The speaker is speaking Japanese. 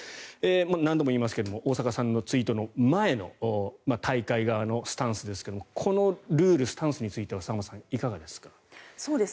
何度も言いますが大坂選手のツイートの前の大会側のスタンスですがこのルール、スタンスについて沢松さん、いかがですか？